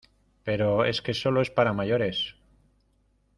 pero es que solo es para mayores.